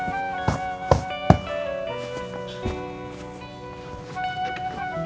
nanti kita ke sana